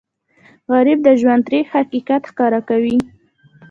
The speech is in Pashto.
غریب د ژوند تریخ حقیقت ښکاره کوي